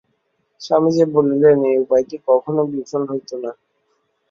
স্বামীজী বলিলেন, এই উপায়টি কখনও বিফল হইত না।